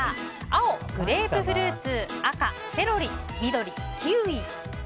青、グレープフルーツ赤、セロリ緑、キウイ。